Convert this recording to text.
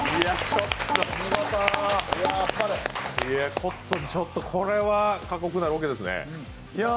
コットン、ちょっとこれは過酷なロケですね。